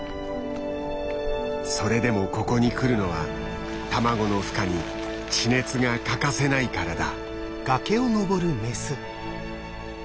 それでもここに来るのは卵のふ化に地熱が欠かせないからだ。